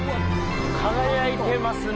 輝いてますね。